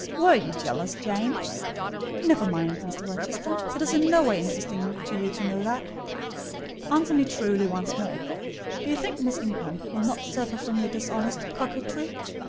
Were you jealous, Jane?" "Never mind, Mr. Rochester: it is in no way interesting to you to know that. Answer me truly once more. Do you think Miss Ingram will not suffer from your dishonest coquetry?